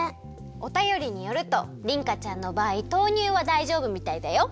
おたよりによるとりんかちゃんのばあい豆乳はだいじょうぶみたいだよ。